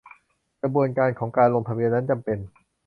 กระบวนการของการลงทะเบียนนั้นจำเป็น